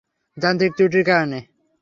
যান্ত্রিক ত্রুটির কারণে।